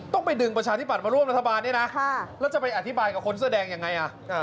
ต้องไปดึงประชาธิบัตย์มาร่วมรัฐบาลด้วยนะแล้วจะไปอธิบายกับคนเสื้อแดงยังไงอ่ะ